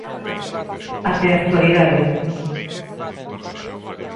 Até a actualidade.